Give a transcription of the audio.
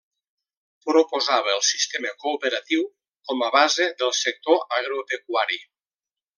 Proposava el sistema cooperatiu com a base del sector agropecuari.